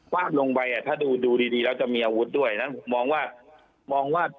ลงไปอ่ะถ้าดูดีแล้วจะมีอาวุธด้วยนั้นมองว่ามองว่า